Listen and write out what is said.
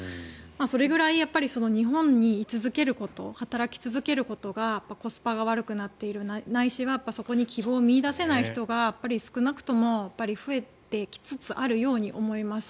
それぐらい日本に居続けること働き続けることはコスパが悪くなっているないしはそこに希望を見いだせない人が少なくとも増えてきつつあるように思います。